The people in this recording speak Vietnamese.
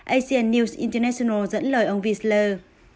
asian news international dẫn lời ông wiesler